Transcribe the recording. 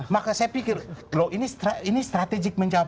maka saya pikir loh ini strategik menjawab